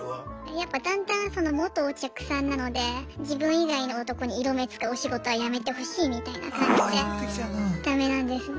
やっぱだんだん元お客さんなので自分以外の男に色目使うお仕事は辞めてほしいみたいな感じでダメなんですね。